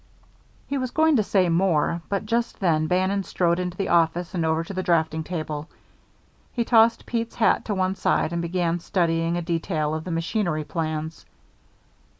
He was going to say more, but just then Bannon strode into the office and over to the draughting table. He tossed Pete's hat to one side and began studying a detail of the machinery plans.